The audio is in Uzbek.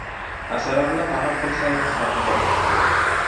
• Asalarini ta’qib qilsang, asalni topasan.